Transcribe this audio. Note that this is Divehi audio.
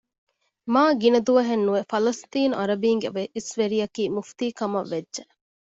މާގިނަ ދުވަހެއް ނުވެ ފަލަސްޠީނު އަރަބީންގެ އިސްވެރިއަކީ މުފްތީކަމަށް ވެއްޖެ